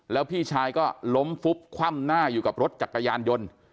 แล้วพี่ชายก็ล้มฟุบคว่ำหน้าอยู่กับรถจักรยานยนต์